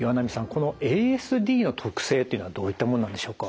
このＡＳＤの特性っていうのはどういったものなんでしょうか？